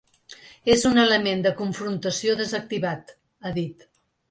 És un element de confrontació desactivat, ha dit.